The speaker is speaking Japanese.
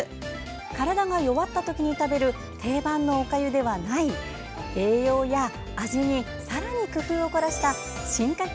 体が弱った時に食べる定番のおかゆではない栄養や、味にさらに工夫をこらした進化形